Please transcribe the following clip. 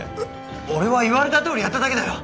俺は言われたとおりやっただけだよ